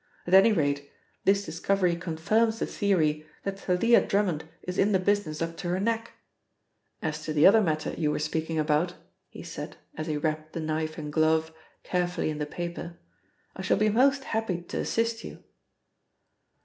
At any rate, this discovery confirms the theory that Thalia Drummond is in the business up to her neck. As to the other matter you were speaking about," he said, as he wrapped the knife and glove carefully in the paper, "I shall be most happy to assist you."